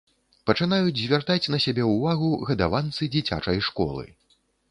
Пачынаюць звяртаць на сябе ўвагу гадаванцы дзіцячай школы.